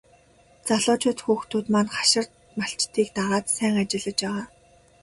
Залуучууд хүүхдүүд маань хашир малчдыг дагаад сайн ажиллаж байгаа.